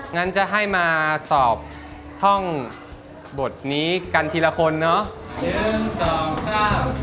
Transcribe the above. งั้นจะให้มาสอบท่องบทนี้กันทีละคนเนาะ